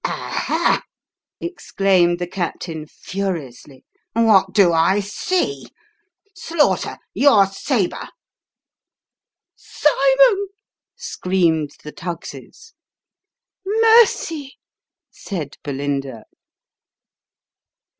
" Aha !" exclaimed the captain, furiously, " What do I see ? Slaughter, your sabre !"" Cymon !" screamed the Tuggs's. " Mercy !" said Belinda.